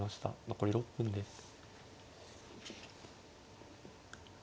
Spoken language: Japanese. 残り６分です。